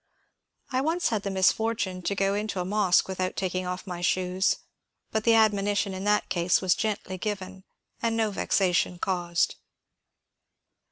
I once had the misfortune to go into a mosque without taking off my shoes, but the admonition in that case was gently given, and no vexation caused.